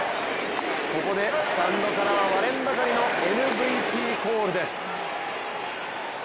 ここで、スタンドからは割れんばかりのＭＶＰコールです。